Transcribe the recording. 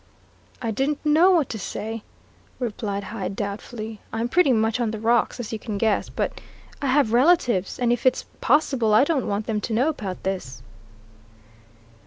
"I didn't know what to say," replied Hyde doubtfully. "I'm pretty much on the rocks, as you can guess; but I have relatives! And if it's possible, I don't want them to know about this."